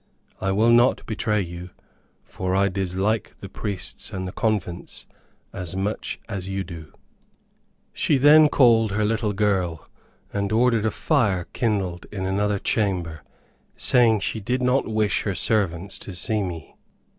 I will not betray you, for I dislike the priests and the convents as much as you do." She then called her little girl, and ordered a fire kindled in another chamber, saying she did not wish her servants to see me.